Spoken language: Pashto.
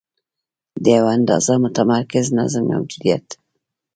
د یوه اندازه متمرکز نظم موجودیت.